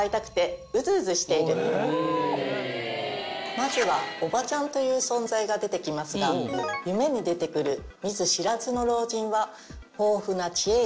まずはおばちゃんという存在が出てきますが夢に出てくる見ず知らずの老人は。